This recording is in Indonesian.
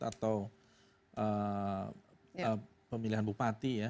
atau pemilihan bupati